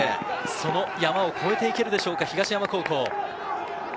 その山を超えて行けるでしょうか東山高校。